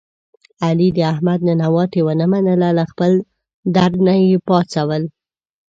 علي د احمد ننواتې و نه منله له خپل در نه یې پا څول.